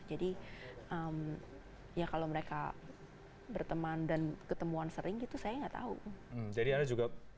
jadi kalau mereka berteman dan ketemuan sering saya nggak tahu